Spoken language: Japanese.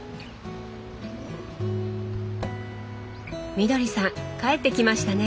みどりさん帰ってきましたね。